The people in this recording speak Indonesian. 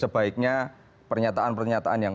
sebaiknya pernyataan pernyataan yang